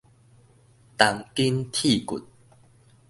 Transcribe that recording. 銅筋鐵骨